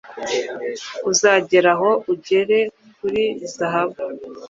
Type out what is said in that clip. uzagera aho ugera kuri zahabu.